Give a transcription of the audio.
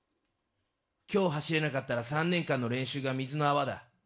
きょう走れなかったら、３年間の練習が水の泡だ。